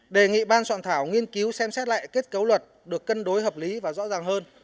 đề nghị ban soạn thảo nghiên cứu xem xét lại kết cấu luật được cân đối hợp lý và rõ ràng hơn